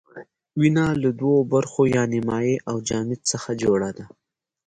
وینه له دوو برخو یعنې مایع او جامد څخه جوړه ده.